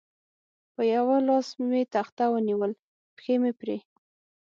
په یوه لاس مې تخته ونیول، پښې مې پرې.